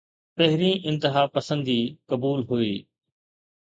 پهرين انتهاپسندي قبول ڪئي.